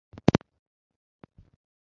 她的一双儿女现都在北美定居。